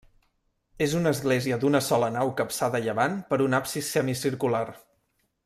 És una església d'una sola nau capçada a llevant per un absis semicircular.